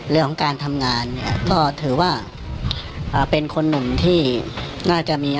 เรื่องของการทำงานเนี่ยก็ถือว่าเป็นคนหนุ่มที่น่าจะมี